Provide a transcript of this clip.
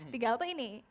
tiga hal tuh ini